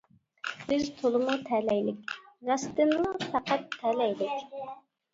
بىز تولىمۇ تەلەيلىك، راستتىنلا پەقەت تەلەيلىك.